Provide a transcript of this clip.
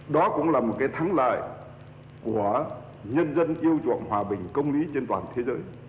đó cũng là một cái thắng lợi của nhân dân yêu chuộng hòa bình công lý trên toàn thế giới